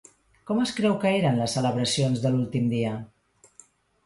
Com es creu que eren les celebracions de l'últim dia?